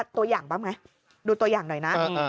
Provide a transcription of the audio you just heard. ตัวอย่างบ้างไหมดูตัวอย่างหน่อยนะ